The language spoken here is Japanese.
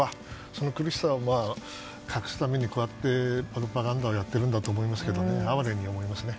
その苦しさを隠すためにプロパガンダをやってるんだと思いますけどあわれに思いますね。